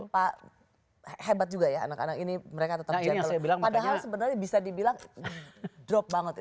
pak hebat juga ya anak anak ini mereka tetap gentle padahal sebenarnya bisa dibilang drop banget